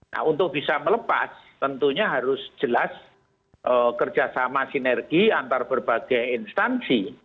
nah untuk bisa melepas tentunya harus jelas kerjasama sinergi antar berbagai instansi